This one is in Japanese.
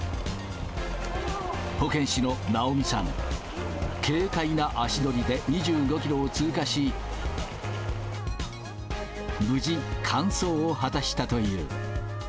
保健師のなおみさん、軽快な足取りで２５キロを通過し、無事、完走を果たしたという。